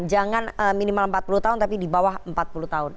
jangan minimal empat puluh tahun tapi di bawah empat puluh tahun